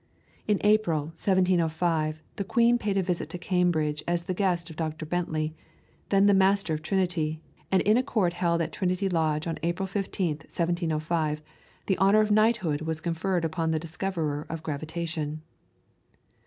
In April, 1705, the Queen paid a visit to Cambridge as the guest of Dr. Bentley, the then Master of Trinity, and in a court held at Trinity Lodge on April 15th, 1705, the honour of knighthood was conferred upon the discoverer of gravitation.